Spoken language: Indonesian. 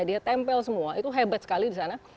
dia tempel semua itu hebat sekali di sana